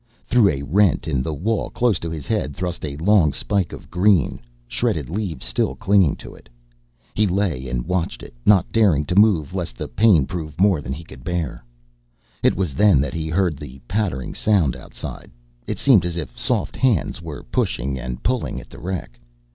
Through a rent in the wall close to his head thrust a long spike of green, shredded leaves still clinging to it. He lay and watched it, not daring to move lest the pain prove more than he could bear. It was then that he heard the pattering sound outside. It seemed as if soft hands were pushing and pulling at the wreck.